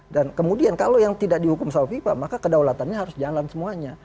dan kemudian kalau yang tidak dihukum sama fifa maka kedaulatannya harus jalan semuanya